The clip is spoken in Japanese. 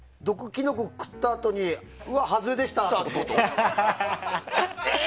キノコ食ったあとにうわ、外れでしたってこと？